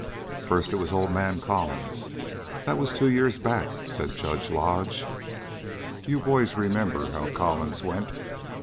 "First it was old man Collins. That was two years back," said Judge Lodge. "You boys remember how Collins went.